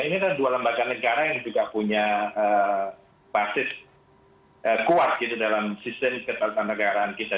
ini kan dua lembaga negara yang juga punya basis kuat gitu dalam sistem ketatanegaraan kita